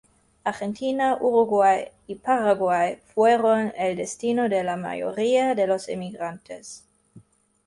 Argentina, Uruguay y Paraguay fueron el destino de la mayoría de los emigrantes.